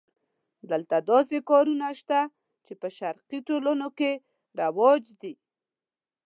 دلته داسې کارونه شته چې په شرقي ټولنو کې رواج دي.